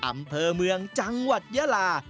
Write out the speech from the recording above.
อำเภอเมืองจังหวัดยาลา